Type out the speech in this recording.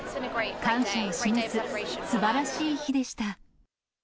感謝を示す、すばらしい日でした。